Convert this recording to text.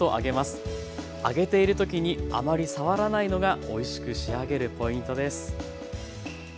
揚げている時にあまり触らないのがおいしく仕上げるポイントです。